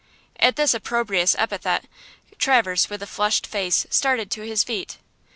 At this opprobrious epithet Traverse, with a flushed face, started to his feet.